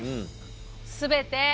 全て。